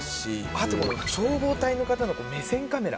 あと消防隊の方の目線カメラ。